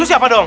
itu siapa dong